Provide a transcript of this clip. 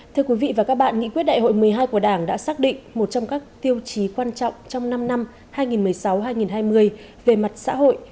thưa quý vị và các bạn nghị quyết đại hội một mươi hai của đảng đã xác định một trong các tiêu chí quan trọng trong năm năm hai nghìn một mươi sáu hai nghìn hai mươi về mặt xã hội